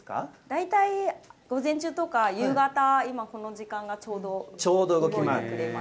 大体午前中とか、夕方、今この時間がちょうど動き回っています。